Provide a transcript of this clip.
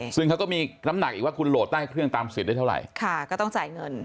ซึ่งเขาก็มีน้ำหนักอีกว่าคุณโหลดใต้เครื่องตามสิทธิ์ได้เท่าไหร่